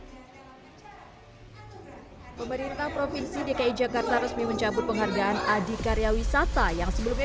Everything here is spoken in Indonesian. hai pemerintah provinsi dki jakarta resmi mencabut penghargaan adik karya wisata yang sebelumnya